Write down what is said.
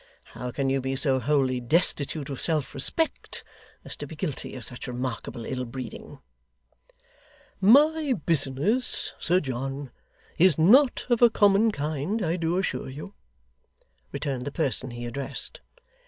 How can you be so wholly destitute of self respect as to be guilty of such remarkable ill breeding?' 'My business, Sir John, is not of a common kind, I do assure you,' returned the person he addressed.